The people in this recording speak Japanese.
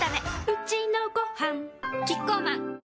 うちのごはんキッコーマン